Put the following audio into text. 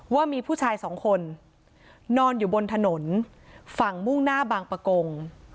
ว่ามีผู้ชายสองคนนอนอยู่บนถนนฝั่งมุ่งหน้าบางประกง